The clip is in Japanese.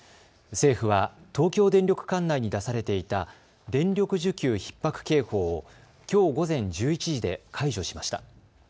政府は東京電力管内に出されていた電力需給ひっ迫警報をきょう午前１１時で解除しました。